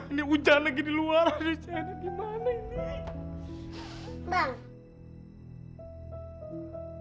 ini hujan lagi di luar aduh sena gimana ini